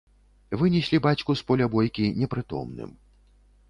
Вынеслі бацьку з поля бойкі непрытомным.